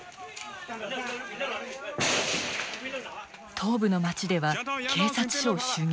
東部の町では警察署を襲撃。